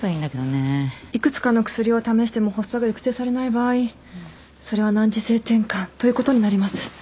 幾つかの薬を試しても発作が抑制されない場合それは難治性てんかんということになります。